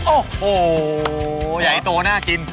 โอ้โหใหญ่โตน่ากิน